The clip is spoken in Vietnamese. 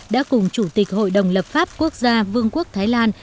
đã cùng chủ tịch hội đồng lập pháp quốc gia vương quốc thái lan